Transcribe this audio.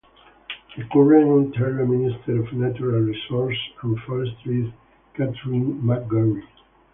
The current Ontario Minister of Natural Resources and Forestry is Kathryn McGarry.